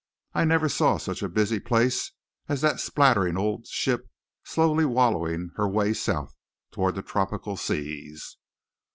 I never saw such a busy place as that splattering old ship slowly wallowing her way south toward the tropical seas.